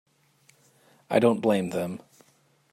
I don't blame them.